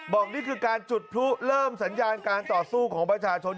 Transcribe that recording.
นี่คือการจุดพลุเริ่มสัญญาการต่อสู้ของประชาชน